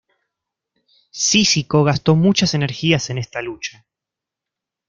Cícico gastó muchas energías en esta lucha.